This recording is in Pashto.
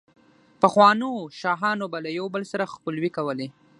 پخوانو شاهانو به له يو بل سره خپلوۍ کولې،